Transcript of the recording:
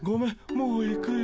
もう行くよ。